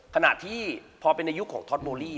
ขณะที่พอเป็นในยุคของท็อตโบรี่